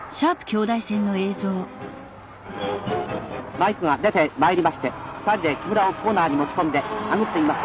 マイクが出てまいりましてつかんで木村をコーナーに持ち込んで殴っています。